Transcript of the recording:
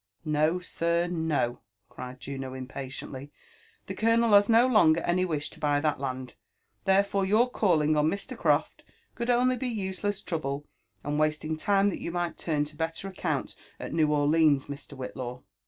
"No, sir, no!" cried Juno impatiently; 'Uhe colonel has no longer any wish to buy that land ; therefore your calling on Mr. Croft could only be useless trouble, and wasting time that you might turn lo better account at New Orleans, Mr. Whiliaw."